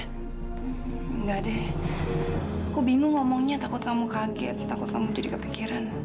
enggak deh aku bingung ngomongnya takut kamu kaget takut kamu jadi kepikiran